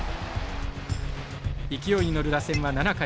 勢いに乗る打線は７回。